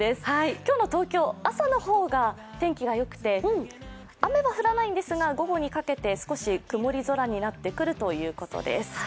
今日の東京、朝の方が天気が良くて雨は降らないんですが午後にかけて少し曇り空になってくるということです。